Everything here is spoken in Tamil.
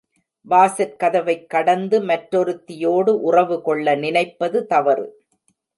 வாசற்கதவைக் கடந்து மற்றொருத்தியோடு உறவு கொள்ள நினைப்பது தவறு.